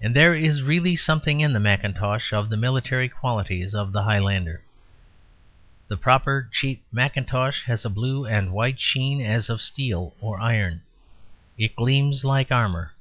And there is really something in the mackintosh of the military qualities of the Highlander. The proper cheap mackintosh has a blue and white sheen as of steel or iron; it gleams like armour.